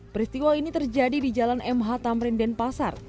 peristiwa ini terjadi di jalan mh tamrin dan pasar